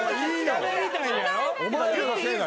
お前らのせいだ。